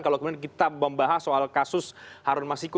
kalau kemudian kita membahas soal kasus harun masiku